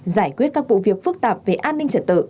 giải quyết các vụ việc phức tạp về an ninh trật tự